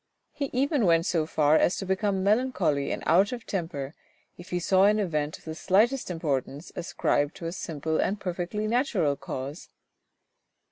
He even went so far as to become melancholy and out of temper if he saw an event of the slightest importance ascribed to a simple and perfectly natural cause.